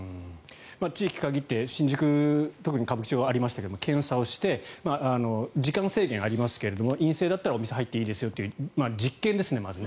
地域を限って新宿特に歌舞伎町でありましたけど検査をして時間制限はありますけど陰性だったらお店に入っていいですよという実験ですね、まずね。